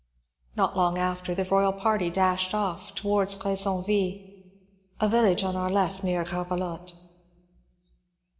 Not long after, the royal party dashed off towards S^nville, a village on our left nearer Gravelotte.